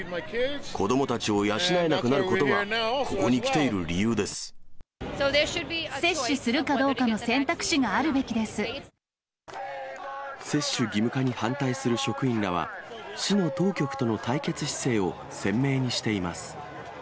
子どもたちを養えなくなることが、接種するかどうかの選択肢が接種義務化に反対する職員らは、市の当局との対決姿勢を鮮明にしています。